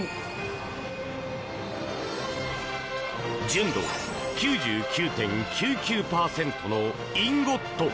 純度９９．９９％のインゴット